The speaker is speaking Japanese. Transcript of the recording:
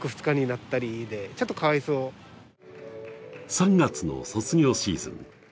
３月の卒業シーズン。